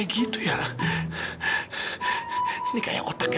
aku sudah takut sama gustaf